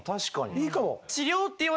いいかも。